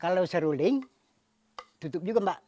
kalau seruling tutup juga mbak